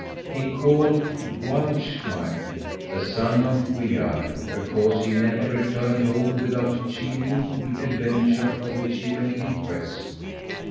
He called Gwalchmai, the son of Gwyar, because he never returned home without achieving the adventure of which he went in quest.